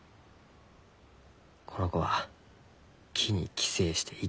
この子は木に寄生して生きる。